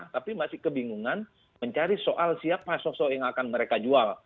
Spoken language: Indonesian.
tapi masih kebingungan mencari soal siapa sosok yang akan mereka jual